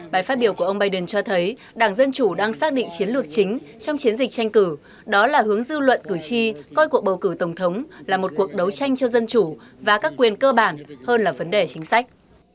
bài phát biểu của ông biden cho thấy đảng dân chủ đang xác định chiến lược chính trong chiến dịch tranh cử đó là hướng dư luận cử tri coi cuộc bầu cử tổng thống là một cuộc đấu tranh cho dân chủ và các quyền cơ bản hơn là vấn đề chính sách